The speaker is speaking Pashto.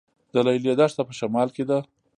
د لیلی دښته په شمال کې ده